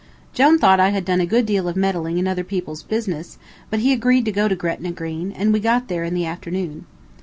Jone thought I had done a good deal of meddling in other people's business, but he agreed to go to Gretna Green, and we got there in the afternoon.